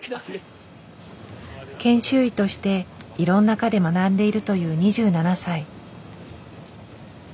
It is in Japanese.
研修医としていろんな科で学んでいるという２７歳。